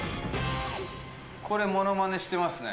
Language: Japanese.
これ、ものまねしてますね。